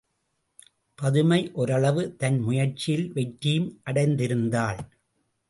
பதுமை ஒரளவு தன் முயற்சியில் வெற்றியும் அடைந்திருந்தாள்.